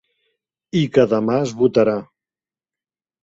I que demà es votarà.